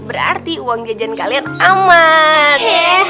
berarti uang jajan kalian aman